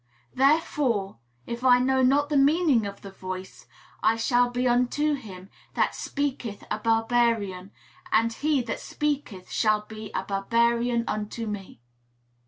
"Therefore, if I know not the meaning of the voice, I shall be unto him that speaketh a barbarian, and he that speaketh shall be a barbarian unto me."